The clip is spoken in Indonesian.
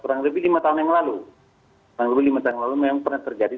kurang lebih lima tahun yang lalu memang pernah terjadi